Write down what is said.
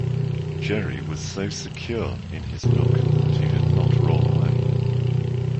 Jerry was so secure in his nook that he did not roll away.